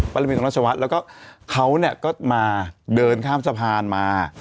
บริเวณตรงราชวัฒน์แล้วก็เขาก็มาเดินข้ามสะพานมา